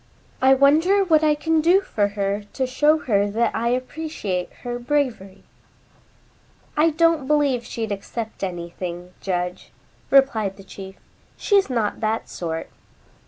I wonder what I can do for her to show her that I appreciate her bravery?" "I don't believe she'd accept anything, Judge," replied the chief. "She's not that sort."